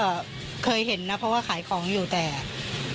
ก็เคยเห็นนะเพราะว่าขายของอยู่แต่